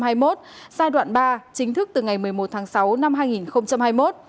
giai đoạn ba chính thức từ ngày một mươi một tháng sáu năm hai nghìn hai mươi một